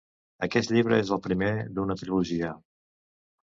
Aquest llibre és el primer d'una trilogia.